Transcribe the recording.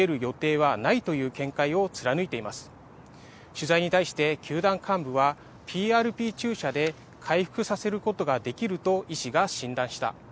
取材に対して球団幹部はＰＲＰ注射で回復させることができると医師が診断した。